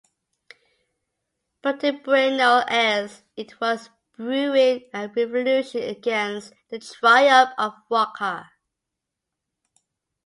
But in Buenos Aires it was brewing a revolution against the triumph of Roca.